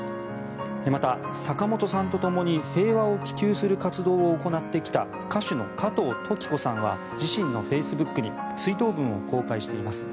また、坂本さんとともに平和を希求する活動を行ってきた歌手の加藤登紀子さんは自身のフェイスブックに追悼文を公開しています。